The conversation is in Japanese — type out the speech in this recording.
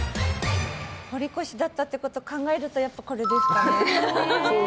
堀越だったということを考えるとこれですかね。